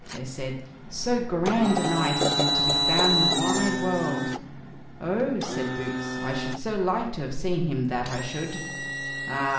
they said; "so grand a knight isn't to be found in the wide world." "Oh!" said Boots, "I should so like to have seen him, that I should." "Ah!